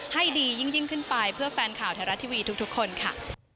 ให้ดียิ่งขึ้นไปเพื่อแฟนข่าวไทยรัฐทีวีทุกคนค่ะ